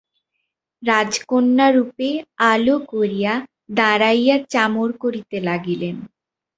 রাজকন্যা রূপে আলো করিয়া দাঁড়াইয়া চামর করিতে লাগিলেন।